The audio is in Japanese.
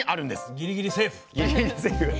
ギリギリセーフ。